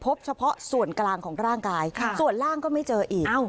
พบเฉพาะส่วนกลางของร่างกายส่วนล่างก็ไม่เจออีก